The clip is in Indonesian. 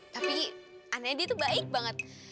tapi anehnya dia tuh baik banget